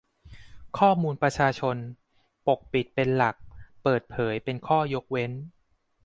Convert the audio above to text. ข้อมูลประชาชน : ปกปิดเป็นหลัก เปิดเผยเป็นข้อยกเว้น